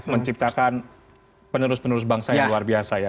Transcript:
menciptakan penerus penerus bangsa yang luar biasa ya